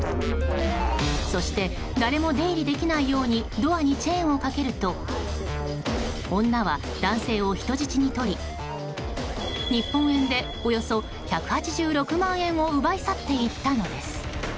そして誰も出入りできないようにドアにチェーンをかけると女は男性を人質に取り日本円でおよそ１８６万円を奪い去っていったのです。